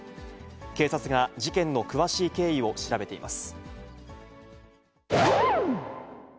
警察が事件の詳しい経緯を調べています。